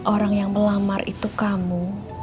orang yang melamar itu kamu